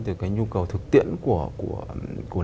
từ cái nhu cầu thực tiễn của